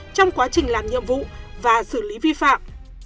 trong quá trình làm nhiệm vụ và xử lý vi phạm